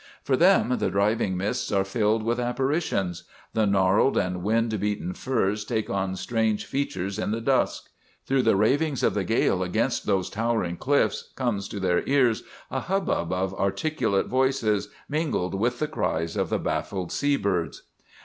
"For them the driving mists are filled with apparitions. The gnarled and wind beaten firs take on strange features in the dusk. Through the ravings of the gale against those towering cliffs comes to their ears a hubbub of articulate voices, mingled with the cries of the baffled sea birds.